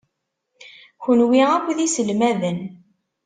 Kenwi akk d iselmaden.